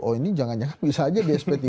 oh ini jangan jangan bisa aja di sp tiga